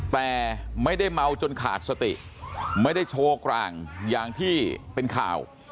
แต่ไม่ได้เมาจนขาดสติไม่ได้โชว์กลางอย่างที่เป็นข่าว